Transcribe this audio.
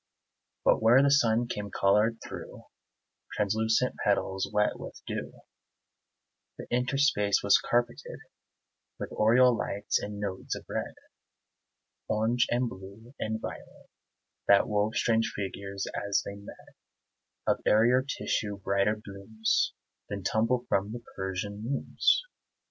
But where the sun came colored through Translucent petals wet with dew, The interspace was carpeted With oriel lights and nodes of red, Orange and blue and violet, That wove strange figures, as they met, Of airier tissue, brighter blooms Than tumble from the Persian looms.